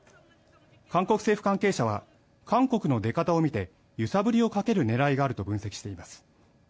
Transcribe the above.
韓国政府関係者は、韓国の出方を見て、揺さぶりをかける狙いがあると分析しています。